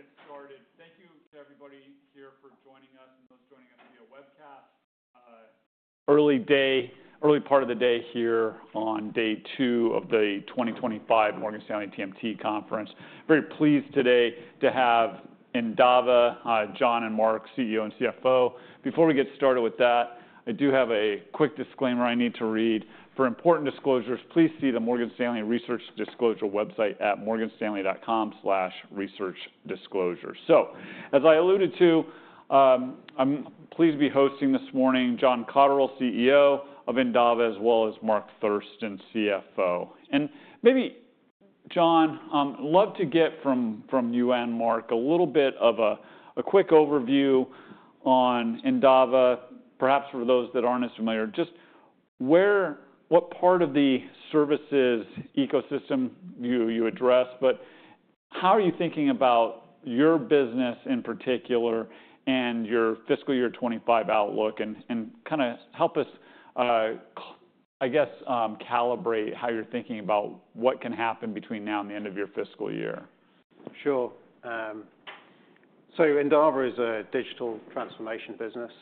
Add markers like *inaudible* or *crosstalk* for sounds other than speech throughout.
All right. We'll go ahead and get started. Thank you to everybody here for joining us, and those joining us via webcast. Early part of the day here on day two of the 2025 Morgan Stanley TMT Conference. Very pleased today to have Endava, John, and Mark, CEO and CFO. Before we get started with that, I do have a quick disclaimer I need to read. For important disclosures, please see the Morgan Stanley Research Disclosure website at morganstanley.com/researchdisclosure. As I alluded to, I'm pleased to be hosting this morning John Cotterell, CEO of Endava, as well as Mark Thurston, CFO. Maybe, John, love to get from you and Mark a little bit of a quick overview on Endava, perhaps for those that aren't as familiar, just where—what part of the services ecosystem you address, but how are you thinking about your business in particular and your fiscal year 2025 outlook? And kinda help us, c—I guess, calibrate how you're thinking about what can happen between now and the end of your fiscal year. Sure. Endava is a digital transformation business.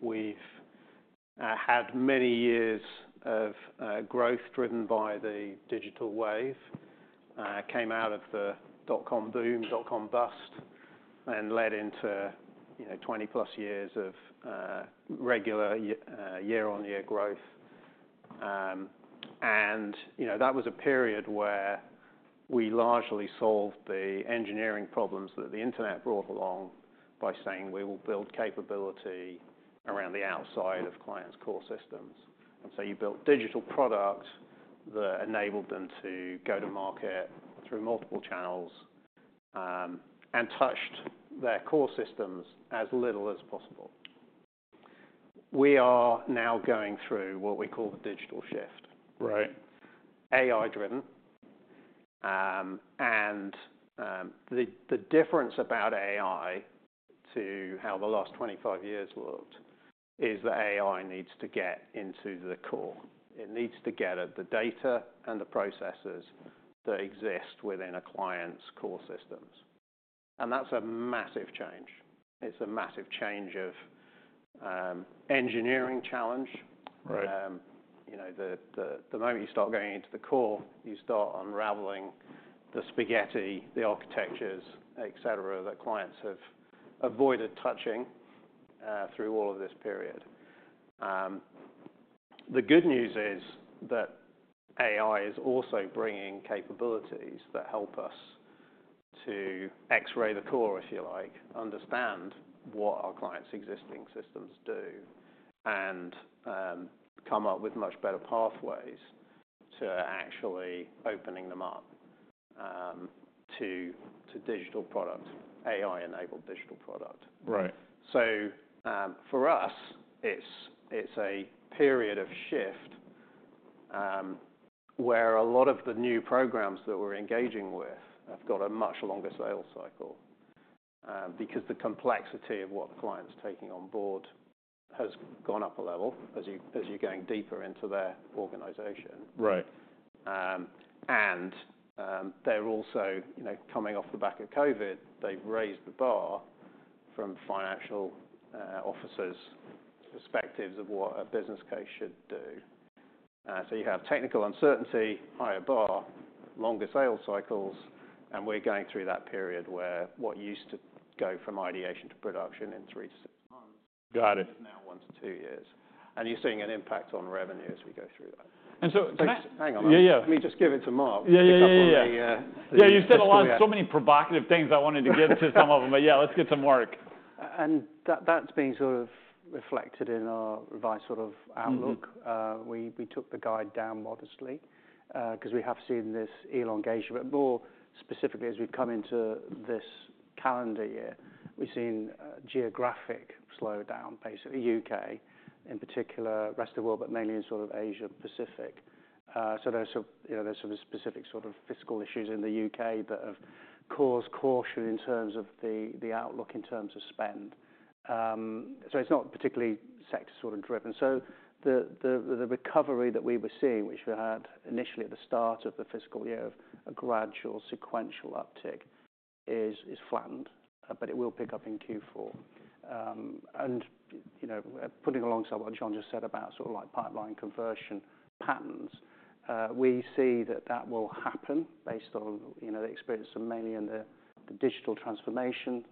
We've had many years of growth driven by the digital wave, came out of the dot-com boom, dot-com bust, and led into, you know, 20-plus years of regular, year-on-year growth. You know, that was a period where we largely solved the engineering problems that the internet brought along by saying, "We will build capability around the outside of clients' core systems." You built digital products that enabled them to go to market through multiple channels, and touched their core systems as little as possible. We are now going through what we call the digital shift. Right. AI-driven. The difference about AI to how the last 25 years looked is that AI needs to get into the core. It needs to get at the data and the processes that exist within a client's core systems. That's a massive change. It's a massive change of engineering challenge. Right. You know, the moment you start going into the core, you start unraveling the spaghetti, the architectures, etc., that clients have avoided touching through all of this period. The good news is that AI is also bringing capabilities that help us to X-ray the core, if you like, understand what our clients' existing systems do and come up with much better pathways to actually opening them up to digital product, AI-enabled digital product. Right. For us, it's a period of shift, where a lot of the new programs that we're engaging with have got a much longer sales cycle, because the complexity of what the client's taking on board has gone up a level as you—as you're going deeper into their organization. Right. And, they're also, you know, coming off the back of COVID, they've raised the bar from financial officers' perspectives of what a business case should do. So you have technical uncertainty, higher bar, longer sales cycles, and we're going through that period where what used to go from ideation to production in three to six months. Got it. Is now one to two years. You are seeing an impact on revenue as we go through that. And so. Hang on. Yeah, yeah. Let me just give it to Mark. Yeah, yeah. Yeah, yeah. Yeah, you said a lot of so many provocative things I wanted to get to some of them, but yeah, let's get to Mark. That's being sort of reflected in our revised sort of outlook. Mm-hmm. We took the guide down modestly, 'cause we have seen this elongation. More specifically, as we've come into this calendar year, we've seen geographic slowdown, basically U.K. in particular, rest of the world, but mainly in sort of Asia-Pacific. There's sort of, you know, there's sort of specific sort of fiscal issues in the U.K. that have caused caution in terms of the outlook in terms of spend. It's not particularly sector sort of driven. The recovery that we were seeing, which we had initially at the start of the fiscal year of a gradual sequential uptick, is flattened, but it will pick up in Q4. And, you know, putting alongside what John just said about sort of like pipeline conversion patterns, we see that that will happen based on, you know, the experience of mainly in the digital transformation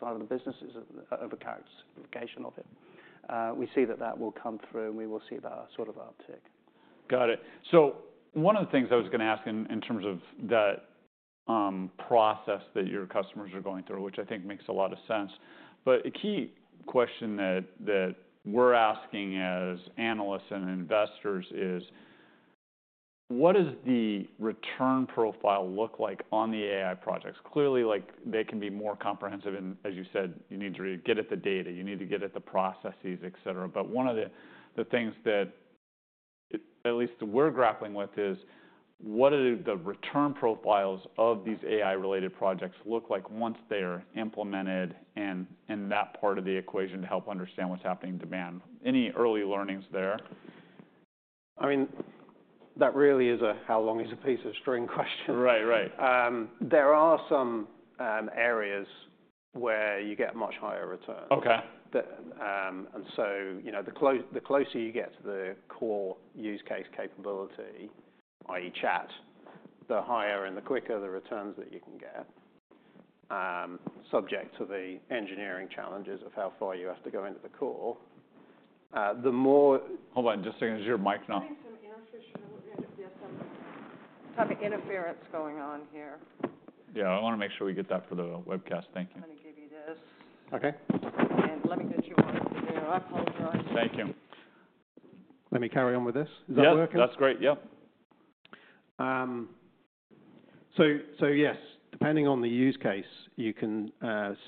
side of the business, is a characterization of it. We see that that will come through, and we will see that sort of uptick. Got it. One of the things I was gonna ask in terms of that process that your customers are going through, which I think makes a lot of sense, but a key question that we're asking as Analysts and Investors is, what does the return profile look like on the AI projects? Clearly, like, they can be more comprehensive and, as you said, you need to really get at the data, you need to get at the processes, etc. One of the things that at least we're grappling with is, what do the return profiles of these AI-related projects look like once they're implemented and that part of the equation to help understand what's happening in demand. Any early learnings there? I mean, that really is a how long is a piece of string question. Right, right. There are some areas where you get much higher returns. Okay. That, and so, you know, the close—the closer you get to the core use case capability, i.e., chat, the higher and the quicker the returns that you can get, subject to the engineering challenges of how far you have to go into the core. The more. Hold on just a second. Is your mic not? I'm getting some interference from the, yes? I'm having interference going on here. Yeah. I wanna make sure we get that for the webcast. Thank you. I'm gonna give you this. Okay. Let me get you one. I apologize. Thank you. Let me carry on with this. Is that working? Yeah. That's great. Yep. Yes, depending on the use case, you can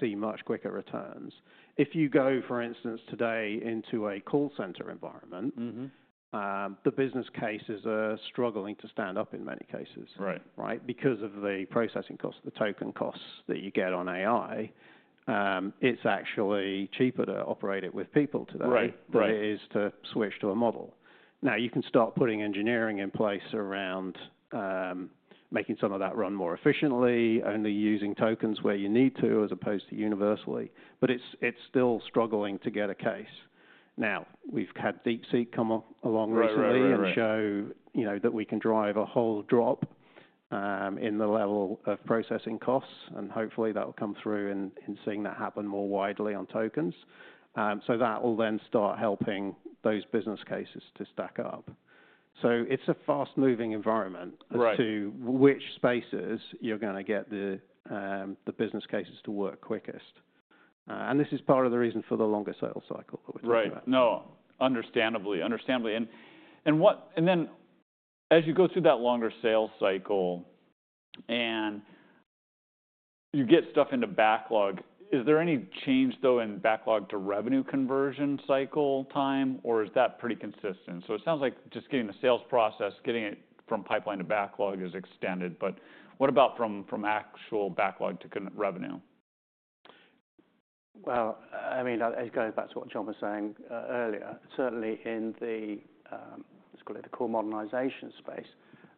see much quicker returns. If you go, for instance, today into a call center environment. Mm-hmm. The business cases are struggling to stand up in many cases. Right. Right? Because of the processing costs, the token costs that you get on AI, it's actually cheaper to operate it with people today. Right, right. Than it is to switch to a model. Now, you can start putting engineering in place around, making some of that run more efficiently, only using tokens where you need to as opposed to universally. It's still struggling to get a case. Now, we've had DeepSeek come along recently. Right, right. You know, that we can drive a whole drop in the level of processing costs. Hopefully, that'll come through in seeing that happen more widely on tokens. That will then start helping those business cases to stack up. It is a fast-moving environment. Right. As to which spaces you're gonna get the, the business cases to work quickest, and this is part of the reason for the longer sales cycle that we're talking about. Right. No, understandably. Understandably. And what—and then as you go through that longer sales cycle and you get stuff into backlog, is there any change, though, in backlog to revenue conversion cycle time, or is that pretty consistent? It sounds like just getting the sales process, getting it from pipeline to backlog is extended. What about from actual backlog to con revenue? I mean, as going back to what John was saying earlier, certainly in the, let's call it the core modernization space,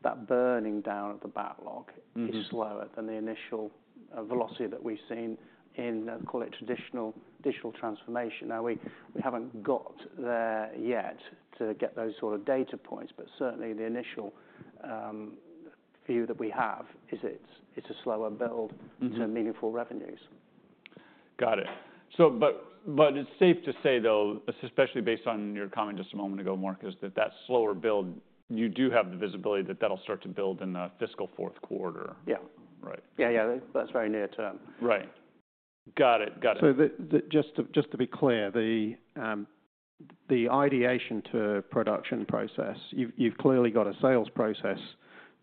that burning down of the backlog. Mm-hmm. Is slower than the initial velocity that we've seen in, call it traditional digital transformation. Now, we haven't got there yet to get those sort of data points, but certainly the initial view that we have is it's a slower build. Mm-hmm. To meaningful revenues. Got it. But it's safe to say, though, especially based on your comment just a moment ago, Mark, is that that slower build, you do have the visibility that that'll start to build in the fiscal fourth quarter. Yeah. Right. Yeah, yeah. That's very near term. Right. Got it. Got it. Just to be clear, the ideation to production process, you've clearly got a sales process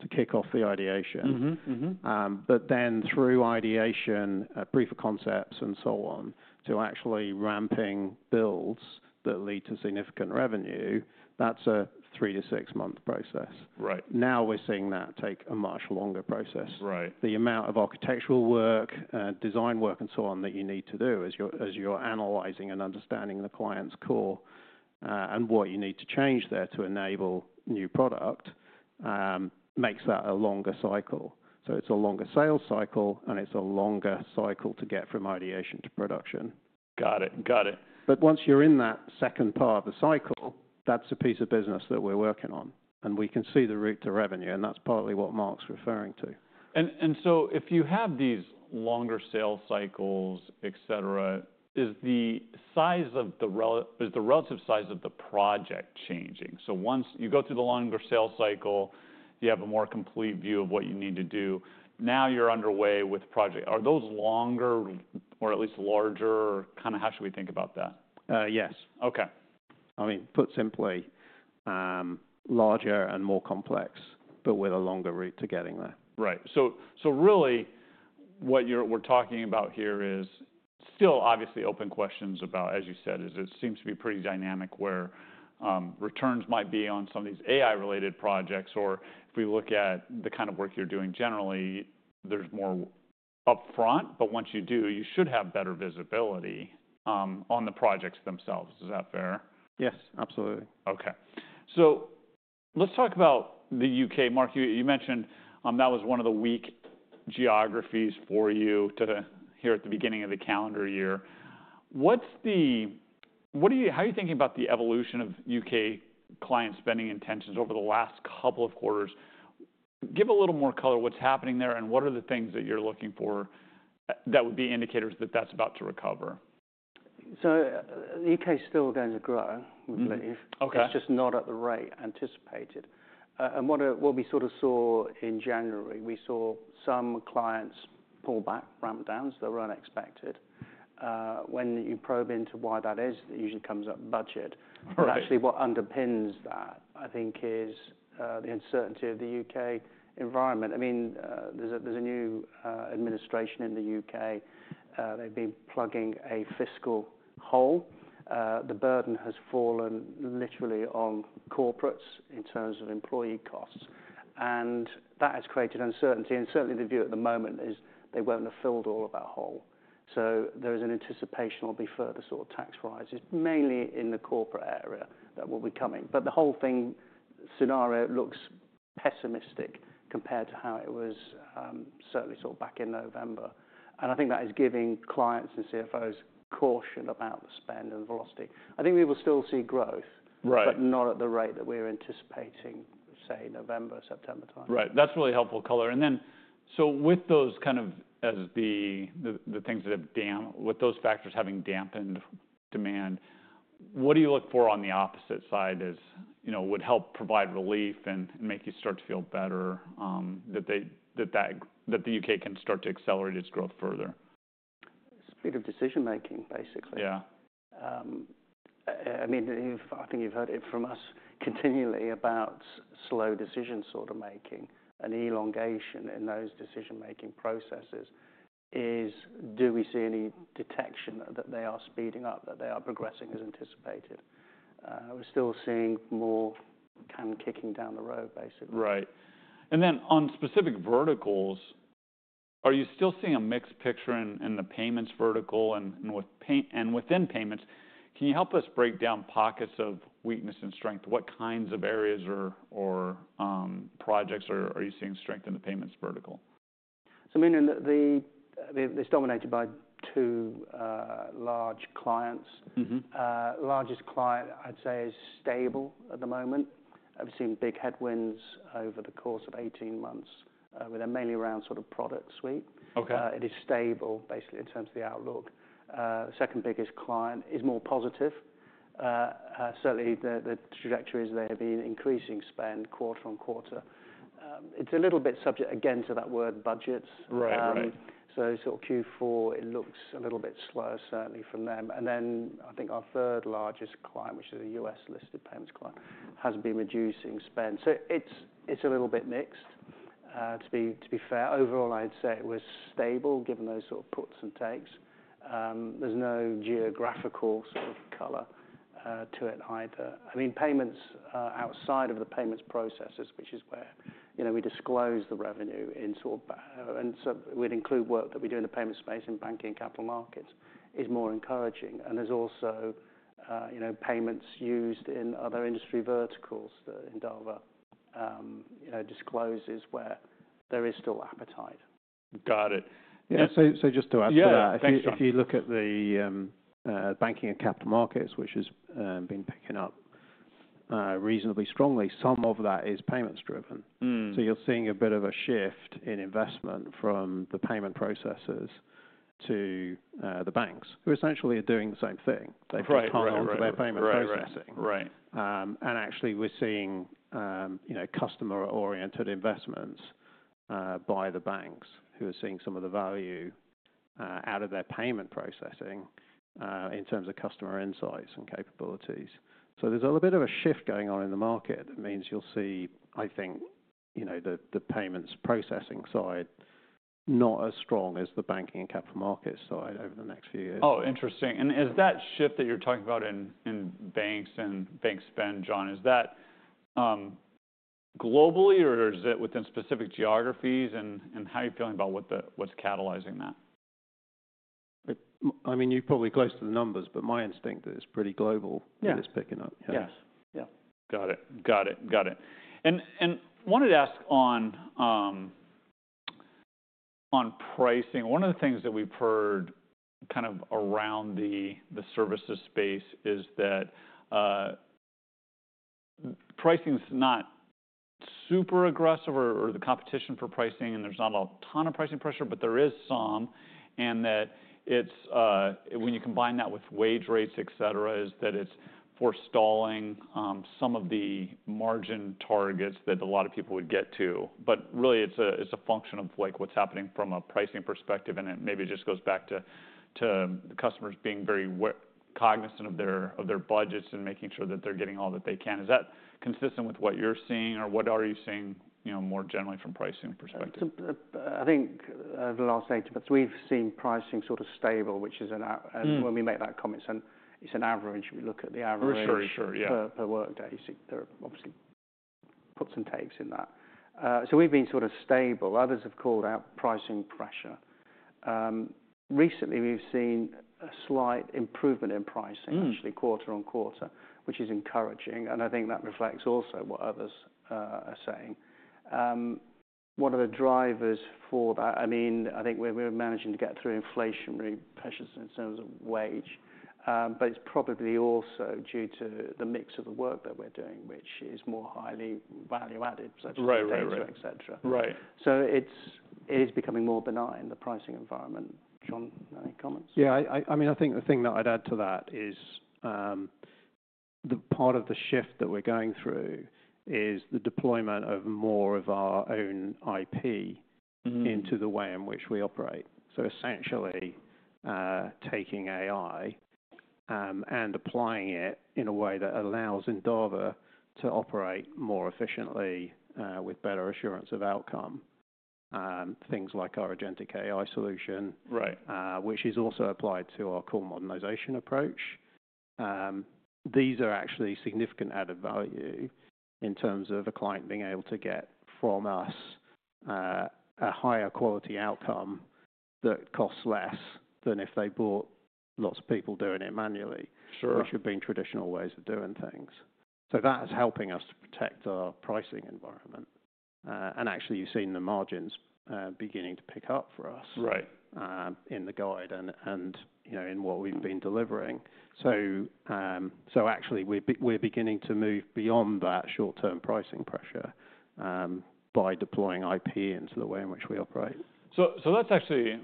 to kick off the ideation. Mm-hmm. Mm-hmm. Through ideation, proof of concepts and so on to actually ramping builds that lead to significant revenue, that's a three to six-month process. Right. Now we're seeing that take a much longer process. Right. The amount of architectural work, design work, and so on that you need to do as you're analyzing and understanding the client's core, and what you need to change there to enable new product, makes that a longer cycle. It is a longer sales cycle, and it is a longer cycle to get from ideation to production. Got it. Got it. Once you're in that second part of the cycle, that's a piece of business that we're working on. We can see the route to revenue, and that's partly what Mark's referring to. If you have these longer sales cycles, etc., is the relative size of the project changing? Once you go through the longer sales cycle, you have a more complete view of what you need to do. Now you're underway with the project. Are those longer or at least larger? Kinda how should we think about that? yes. Okay. I mean, put simply, larger and more complex, but with a longer route to getting there. Right. So really what you're talking about here is still obviously open questions about, as you said, it seems to be pretty dynamic where returns might be on some of these AI-related projects. Or if we look at the kind of work you're doing generally, there's more upfront, but once you do, you should have better visibility on the projects themselves. Is that fair? Yes, absolutely. Okay. Let's talk about the U.K. Mark, you mentioned that was one of the weak geographies for you here at the beginning of the calendar year. What are you—how are you thinking about the evolution of U.K. client spending intentions over the last couple of quarters? Give a little more color on what's happening there and what are the things that you're looking for that would be indicators that that's about to recover? The U.K.'s still going to grow, we believe. Okay. It's just not at the rate anticipated. What we sort of saw in January, we saw some clients pull back, ramp downs that were unexpected. When you probe into why that is, it usually comes up budget. Right. Actually, what underpins that, I think, is the uncertainty of the U.K. environment. I mean, there is a new administration in the U.K. They have been plugging a fiscal hole. The burden has fallen literally on corporates in terms of employee costs. That has created uncertainty. Certainly, the view at the moment is they will not have filled all of that hole. There is an anticipation there will be further sort of tax rises, mainly in the corporate area, that will be coming. The whole scenario looks pessimistic compared to how it was, certainly sort of back in November. I think that is giving clients and CFOs caution about the spend and velocity. I think we will still see growth. Right. Not at the rate that we're anticipating, say, November, September time. Right. That's really helpful color. With those factors having dampened demand, what do you look for on the opposite side as, you know, would help provide relief and make you start to feel better, that the U.K. can start to accelerate its growth further? Speed of decision-making, basically. Yeah. I mean, you've—I think you've heard it from us continually about slow decision sort of making. An elongation in those decision-making processes is, do we see any detection that they are speeding up, that they are progressing as anticipated? We're still seeing more can kicking down the road, basically. Right. On specific verticals, are you still seeing a mixed picture in the Payments vertical, and within payments, can you help us break down pockets of weakness and strength? What kinds of areas or projects are you seeing strength in the Payments vertical? Meaning this, this dominated by two large clients. Mm-hmm. Largest client, I'd say, is stable at the moment. I've seen big headwinds over the course of 18 months, with a mainly around sort of product suite. Okay. It is stable basically in terms of the outlook. Second biggest client is more positive. Certainly the trajectory is they're being increasing spend quarter on quarter. It's a little bit subject again to that word budgets. Right. Q4 looks a little bit slower, certainly from them. I think our third largest client, which is a U.S.-listed payments client, has been reducing spend. It's a little bit mixed, to be fair. Overall, I'd say it was stable given those sort of puts and takes. There's no geographical sort of color to it either. I mean, payments, outside of the payments processes, which is where, you know, we disclose the revenue in sort of, and so we'd include work that we do in the payments space in Banking and Capital Markets, is more encouraging. There's also, you know, payments used in other industry verticals that Endava, you know, discloses where there is still appetite. Got it. Yeah. Just to ask you that. Yeah. If you look at the Banking and Capital Markets, which has been picking up reasonably strongly, some of that is payments-driven. Mm-hmm. You're seeing a bit of a shift in investment from the payment processes to the banks, who essentially are doing the same thing. Right, right, right. They've just gone into their payment processing. Right, right. Actually we're seeing, you know, customer-oriented investments by the banks who are seeing some of the value out of their payment processing in terms of customer insights and capabilities. There's a little bit of a shift going on in the market that means you'll see, I think, you know, the payments processing side not as strong as the Banking and Capital Markets side over the next few years. Oh, interesting. Is that shift that you're talking about in banks and bank spend, John, is that globally or is it within specific geographies, and how are you feeling about what's catalyzing that? I mean, you're probably close to the numbers, but my instinct is it's pretty global. Yeah. That it's picking up. Yeah. Yes. Yeah. Got it. Got it. Got it. And wanted to ask on, on pricing. One of the things that we've heard kind of around the, the services space is that pricing's not super aggressive or the competition for pricing, and there's not a ton of pricing pressure, but there is some, and that it's, when you combine that with wage rates, etc., is that it's forestalling some of the margin targets that a lot of people would get to. But really it's a—it's a function of like what's happening from a pricing perspective, and it maybe just goes back to, to customers being very cognizant of their—of their budgets and making sure that they're getting all that they can. Is that consistent with what you're seeing or what are you seeing, you know, more generally from pricing perspective? I think the last 80 minutes, we've seen pricing sort of stable, which is an, and when we make that comment, it's an, it's an average. We look at the average. For sure. Yeah. Per workday. You see there are obviously puts and takes in that. We have been sort of stable. Others have called out pricing pressure. Recently we have seen a slight improvement in pricing, actually, quarter on quarter, which is encouraging. I think that reflects also what others are saying. One of the drivers for that, I mean, I think we are managing to get through inflationary pressures in terms of wage. It is probably also due to the mix of the work that we are doing, which is more highly value-added, such as, *crosstalk* etc. Right. It is becoming more benign, the pricing environment. John, any comments? Yeah. I mean, I think the thing that I'd add to that is, the part of the shift that we're going through is the deployment of more of our own IP. Mm-hmm. Into the way in which we operate. Essentially, taking AI, and applying it in a way that allows Endava to operate more efficiently, with better assurance of outcome, things like our agentic AI solution. Right. which is also applied to our core modernization approach. These are actually significant added value in terms of a client being able to get from us, a higher quality outcome that costs less than if they bought lots of people doing it manually. Sure. Which would be in traditional ways of doing things. That is helping us to protect our pricing environment, and actually you've seen the margins beginning to pick up for us. Right. In the guide and, you know, in what we've been delivering. Actually, we're beginning to move beyond that short-term pricing pressure, by deploying IP into the way in which we operate. That's actually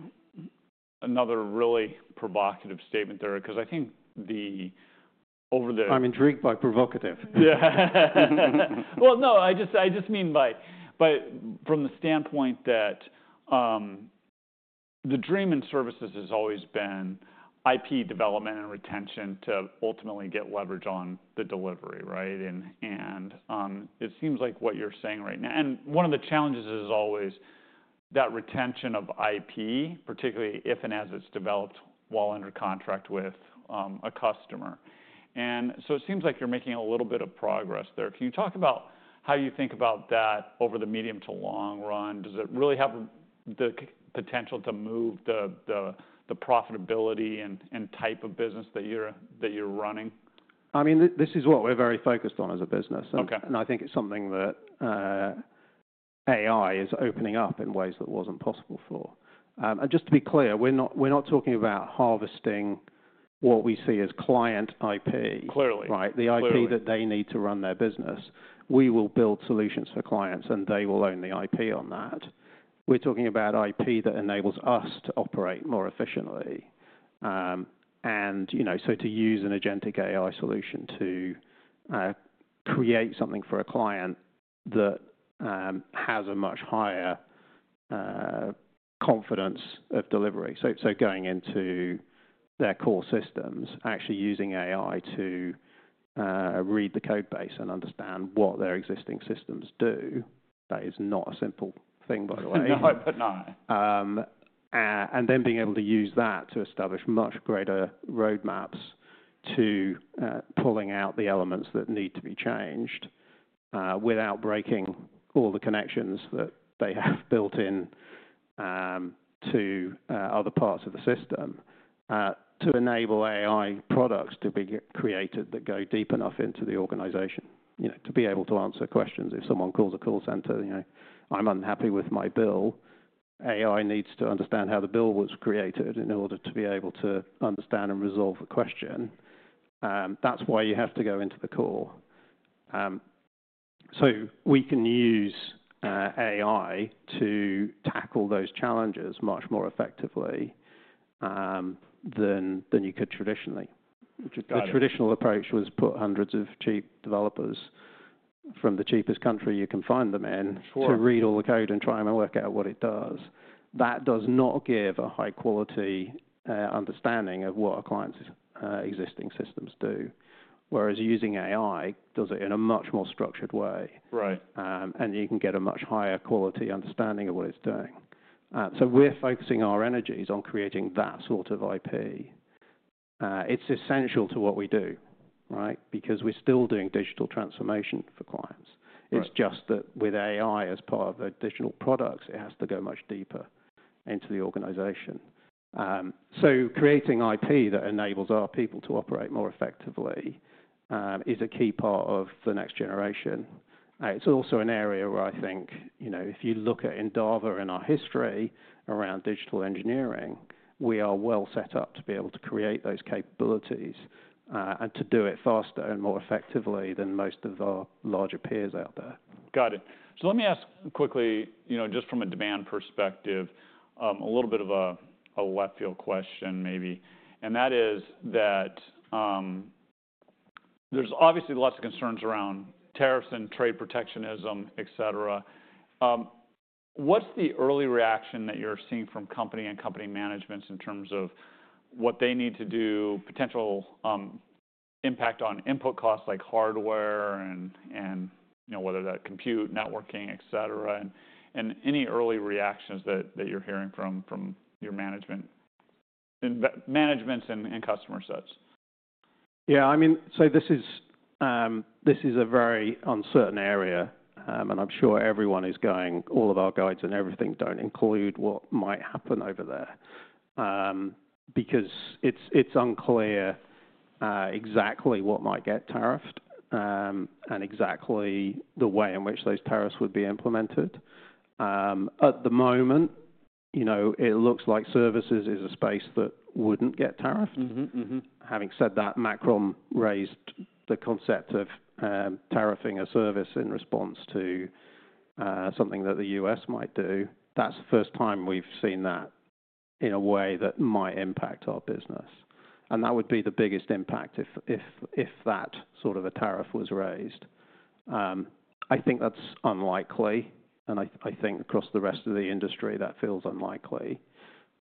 another really provocative statement there because I think the over the— I'm intrigued by provocative. Yeah. No, I just mean by, by from the standpoint that the dream in services has always been IP development and retention to ultimately get leverage on the delivery, right? It seems like what you're saying right now—one of the challenges is always that retention of IP, particularly if and as it's developed while under contract with a customer. It seems like you're making a little bit of progress there. Can you talk about how you think about that over the medium to long run? Does it really have the potential to move the profitability and type of business that you're running? I mean, this is what we're very focused on as a business. Okay. I think it's something that AI is opening up in ways that wasn't possible before. And just to be clear, we're not—we're not talking about harvesting what we see as client IP. Clearly. Right? The IP that they need to run their business. We will build solutions for clients and they will own the IP on that. We're talking about IP that enables us to operate more efficiently, and, you know, to use an agentic AI solution to create something for a client that has a much higher confidence of delivery. Going into their core systems, actually using AI to read the code base and understand what their existing systems do. That is not a simple thing, by the way. No, but no. and then being able to use that to establish much greater roadmaps to, pulling out the elements that need to be changed, without breaking all the connections that they have built in, to, other parts of the system, to enable AI products to be created that go deep enough into the organization, you know, to be able to answer questions. If someone calls a call center, you know, "I'm unhappy with my bill," AI needs to understand how the bill was created in order to be able to understand and resolve the question. That's why you have to go into the core. We can use AI to tackle those challenges much more effectively, than, than you could traditionally. Got it. The traditional approach was put hundreds of cheap developers from the cheapest country you can find them in. Sure. To read all the code and try and work out what it does. That does not give a high-quality, understanding of what our clients' existing systems do. Whereas using AI does it in a much more structured way. Right. You can get a much higher quality understanding of what it's doing. We're focusing our energies on creating that sort of IP. It's essential to what we do, right? Because we're still doing digital transformation for clients. Right. It's just that with AI as part of additional products, it has to go much deeper into the organization. Creating IP that enables our people to operate more effectively is a key part of the next generation. It's also an area where I think, you know, if you look at Endava and our history around digital engineering, we are well set up to be able to create those capabilities, and to do it faster and more effectively than most of our larger peers out there. Got it. Let me ask quickly, you know, just from a demand perspective, a little bit of a left-field question maybe. That is that, there's obviously lots of concerns around tariffs and trade protectionism, et cetera. What's the early reaction that you're seeing from company and company managements in terms of what they need to do, potential impact on input costs like hardware and, and, you know, whether that compute, networking, et cetera.? Any early reactions that you're hearing from your management, managements and customer sets? Yeah. I mean, this is a very uncertain area. I'm sure everyone is going, all of our guides and everything do not include what might happen over there, because it's unclear exactly what might get tariffed, and exactly the way in which those tariffs would be implemented. At the moment, you know, it looks like services is a space that would not get tariffed. Mm-hmm. Mm-hmm. Having said that, Macron raised the concept of tariffing a service in response to something that the U.S. might do. That is the first time we have seen that in a way that might impact our business. That would be the biggest impact if that sort of a tariff was raised. I think that is unlikely. I think across the rest of the industry that feels unlikely.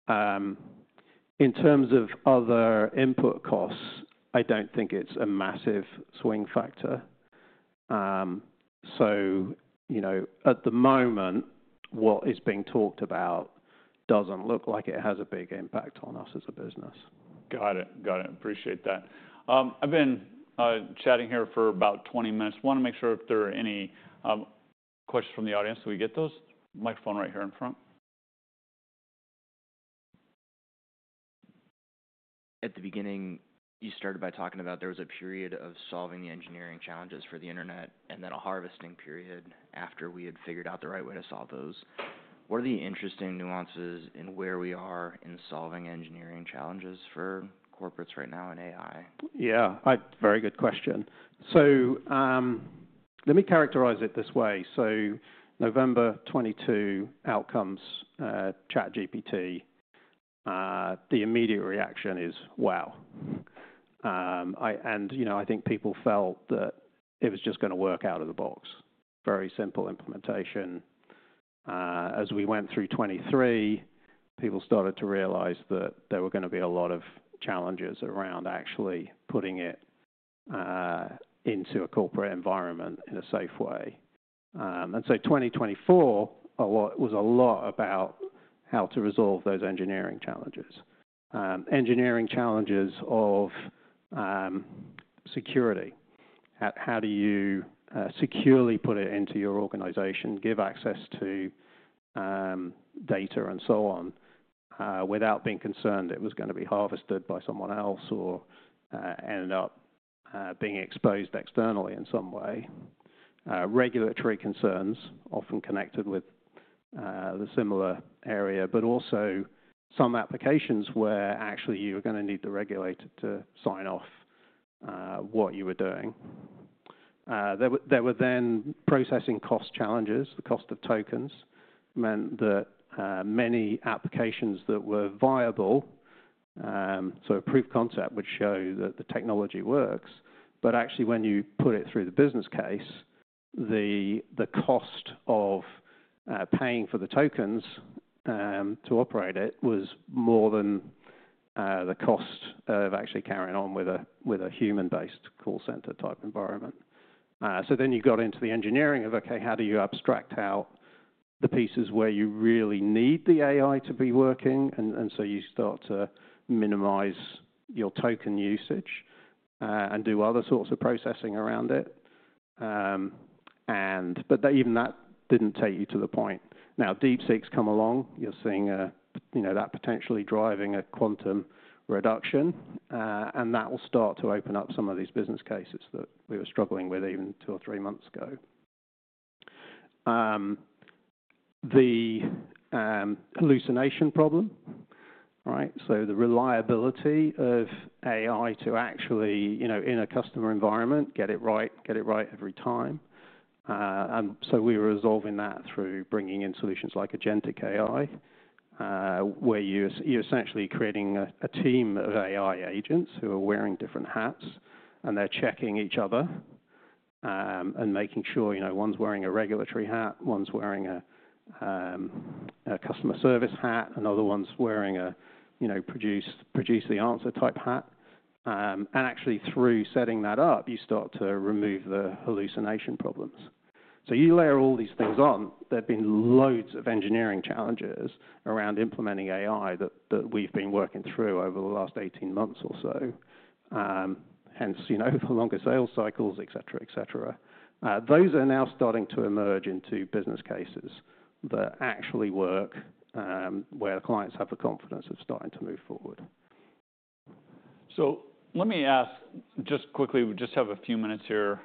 In terms of other input costs, I do not think it is a massive swing factor. You know, at the moment, what is being talked about does not look like it has a big impact on us as a business. Got it. Got it. Appreciate that. I've been chatting here for about 20 minutes. Want to make sure if there are any questions from the audience so we get those. Microphone right here in front. At the beginning, you started by talking about there was a period of solving the engineering challenges for the internet and then a harvesting period after we had figured out the right way to solve those. What are the interesting nuances in where we are in solving engineering challenges for corporates right now in AI? Yeah. Very good question. Let me characterize it this way. November 2022, out comes ChatGPT, the immediate reaction is, "Wow." I, and, you know, I think people felt that it was just going to work out of the box. Very simple implementation. As we went through 2023, people started to realize that there were going to be a lot of challenges around actually putting it into a corporate environment in a safe way. In 2024, a lot was about how to resolve those engineering challenges. Engineering challenges of security. How do you securely put it into your organization, give access to data and so on, without being concerned it was going to be harvested by someone else or ended up being exposed externally in some way. Regulatory concerns often connected with the similar area, but also some applications where actually you were going to need the regulator to sign off what you were doing. There were then processing cost challenges. The cost of tokens meant that many applications that were viable, so a proof concept would show that the technology works, but actually when you put it through the business case, the cost of paying for the tokens to operate it was more than the cost of actually carrying on with a human-based call center type environment. You got into the engineering of, okay, how do you abstract out the pieces where you really need the AI to be working? You start to minimize your token usage, and do other sorts of processing around it. Even that did not take you to the point. Now, DeepSeek's come along. You're seeing, you know, that potentially driving a quantum reduction, and that will start to open up some of these business cases that we were struggling with even two or three months ago. The hallucination problem, right? So the reliability of AI to actually, you know, in a customer environment, get it right, get it right every time. We were resolving that through bringing in solutions like agentic AI, where you're essentially creating a team of AI agents who are wearing different hats and they're checking each other, and making sure, you know, one's wearing a regulatory hat, one's wearing a customer service hat, another one's wearing a, you know, produce, produce the answer type hat. Actually, through setting that up, you start to remove the hallucination problems. You layer all these things on. There've been loads of engineering challenges around implementing AI that we've been working through over the last 18 months or so. Hence, you know, the longer sales cycles, etc., etc. Those are now starting to emerge into business cases that actually work, where the clients have the confidence of starting to move forward. Let me ask just quickly, we just have a few minutes here.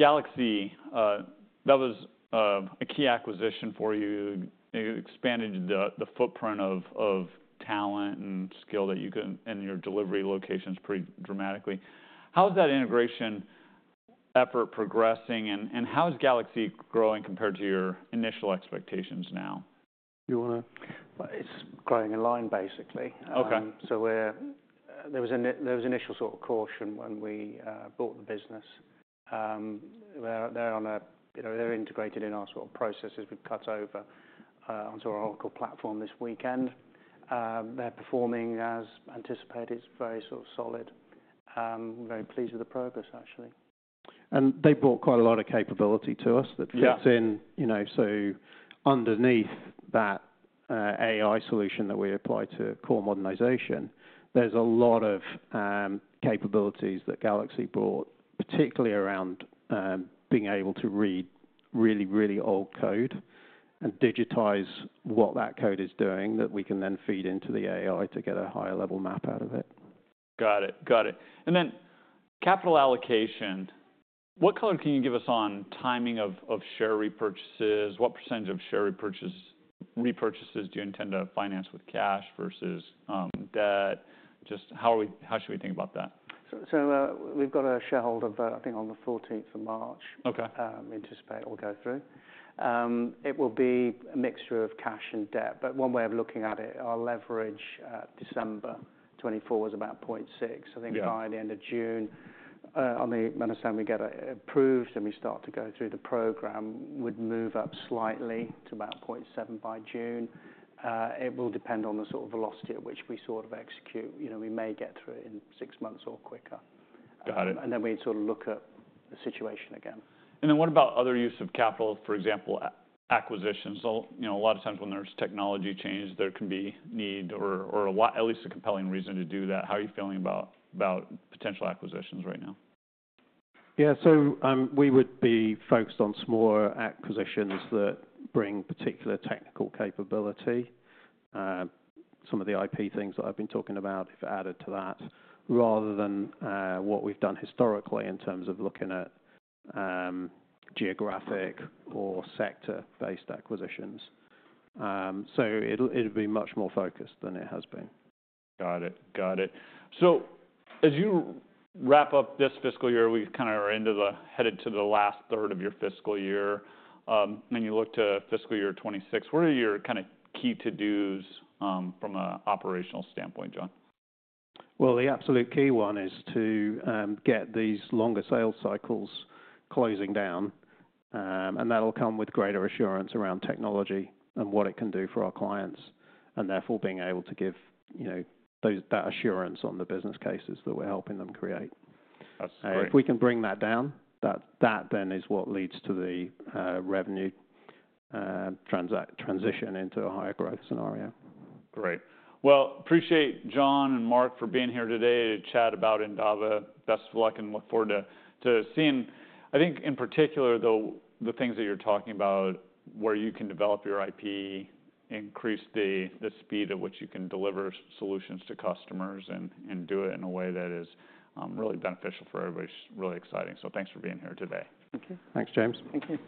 GalaxE, that was a key acquisition for you. You expanded the footprint of talent and skill that you could and your delivery locations pretty dramatically. How's that integration effort progressing, and how is GalaxE growing compared to your initial expectations now? You want to? It's growing in line, basically. Okay. There was initial sort of caution when we bought the business. They're on a, you know, they're integrated in our sort of processes. We've cut over onto our Oracle platform this weekend. They're performing as anticipated. It's very sort of solid. We're very pleased with the progress, actually. They brought quite a lot of capability to us that fits in. Yeah. You know, so underneath that, AI solution that we apply to core modernization, there's a lot of capabilities that GalaxE brought, particularly around being able to read really, really old code and digitize what that code is doing that we can then feed into the AI to get a higher level map out of it. Got it. Got it. Capital allocation, what color can you give us on timing of share repurchases? What percentage of share repurchases do you intend to finance with cash versus debt? How should we think about that? We've got a shareholder vote, I think, on the 14th of March. Okay. anticipate will go through. It will be a mixture of cash and debt, but one way of looking at it, our leverage, December 2024 was about 0.6%. Yeah. I think by the end of June, when I understand we get approved and we start to go through the program, would move up slightly to about 0.7% by June. It will depend on the sort of velocity at which we sort of execute. You know, we may get through it in six months or quicker. Got it. We sort of look at the situation again. What about other use of capital, for example, acquisitions? You know, a lot of times when there's technology change, there can be need or, or a lot, at least a compelling reason to do that. How are you feeling about, about potential acquisitions right now? Yeah. We would be focused on smaller acquisitions that bring particular technical capability. Some of the IP things that I've been talking about, if added to that, rather than what we've done historically in terms of looking at geographic or sector-based acquisitions. It will be much more focused than it has been. Got it. Got it. As you wrap up this fiscal year, we kind of are into the headed to the last third of your fiscal year, and you look to fiscal year 2026, what are your kind of key to-dos, from an operational standpoint, John? The absolute key one is to get these longer sales cycles closing down. That will come with greater assurance around technology and what it can do for our clients and therefore being able to give, you know, those that assurance on the business cases that we're helping them create. That's great. If we can bring that down, that then is what leads to the revenue transition into a higher growth scenario. Great. I appreciate John and Mark for being here today to chat about Endava. Best of luck and look forward to seeing. I think in particular, though, the things that you're talking about where you can develop your IP, increase the speed at which you can deliver solutions to customers and do it in a way that is really beneficial for everybody is really exciting. Thanks for being here today. Thank you. Thanks, James. Thank you.